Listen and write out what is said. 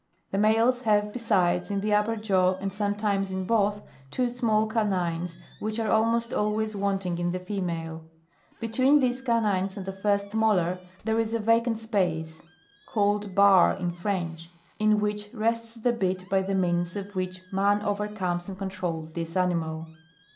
The males have besides in the upper jaw, and sometimes in both, two small canines which are almost always wanting in the female. Between these canines and the first molar, there is a vacant space, (called barre in French,) in which rests the bit by the means of which man overcomes and controls this animal.